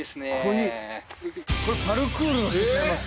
これパルクールの人ちゃいます？